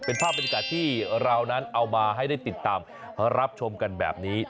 เป็นภาพบรรยากาศที่เรานั้นเอามาให้ได้ติดตามรับชมกันแบบนี้